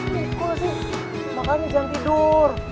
pikul sih makanya jam tidur